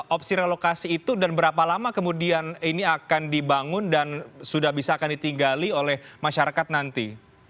opsi relokasi itu dan berapa lama kemudian ini akan dibangun dan sudah bisa akan ditinggali oleh masyarakat nanti